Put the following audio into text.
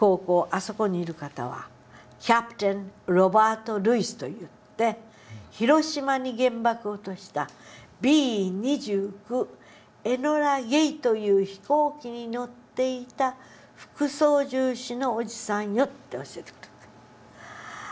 あそこにいる方はキャプテンロバート・ルイスといって広島に原爆を落としたＢ２９エノラ・ゲイという飛行機に乗っていた副操縦士のおじさんよ」って教えてくれた。